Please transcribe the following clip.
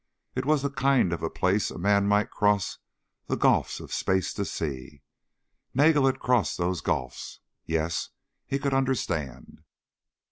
It was the kind of a place a man might cross the gulfs of space to see. Nagel had crossed those gulfs. Yes, he could understand.